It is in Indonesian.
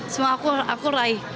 semua aku raih